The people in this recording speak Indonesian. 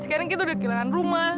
sekarang kita udah kehilangan rumah